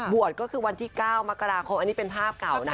บวชก็คือวันที่๙มกราคมอันนี้เป็นภาพเก่านะ